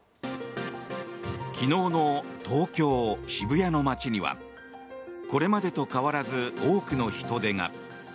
昨日の東京・渋谷の街にはこれまでと変わらず多くの人出が。